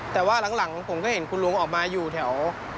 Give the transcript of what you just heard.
แต่ว่าหลังผมก็เห็นคุณลุงออกมาอยู่แถว